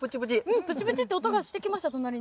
うんプチプチって音がしてきました。